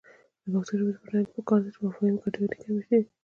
د پښتو ژبې د بډاینې لپاره پکار ده چې مفاهمې ګډوډي کمې شي.